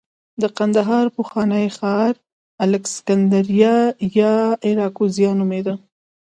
د کندهار پخوانی ښار الکسندریه اراکوزیا نومېده